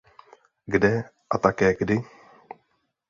Kde a také kdy?